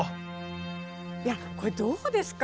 これどうですか？